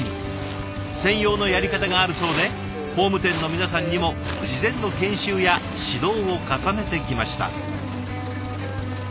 専用のやり方があるそうで工務店の皆さんにも事前の研修や指導を重ねてきました。